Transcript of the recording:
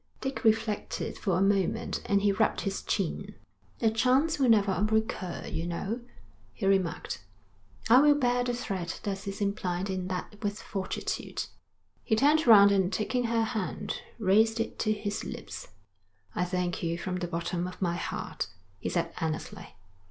Dick reflected for a moment, and he rubbed his chin. 'The chance will never recur, you know,' he remarked. 'I will bear the threat that is implied in that with fortitude.' He turned round and taking her hand, raised it to his lips. 'I thank you from the bottom of my heart,' he said earnestly.